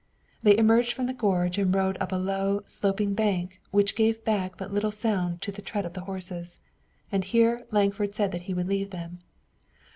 They emerged from the gorge and rode up a low, sloping bank which gave back but little sound to the tread of the horses, and here Lankford said that he would leave them.